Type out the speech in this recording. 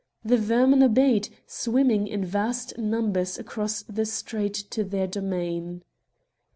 The vermin obeyed, swimming in vast Qumbers across the strait to their domain.